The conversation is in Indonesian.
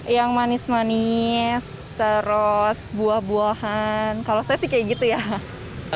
yang manis manis terus buah buahan kalau saya sih kayak gitu ya